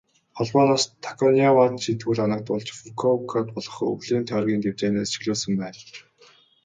Холбооноос Таканоивад шийтгэл оногдуулж, Фүкүокад болох өвлийн тойргийн тэмцээнээс чөлөөлсөн байна.